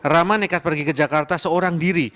rama nekat pergi ke jakarta seorang diri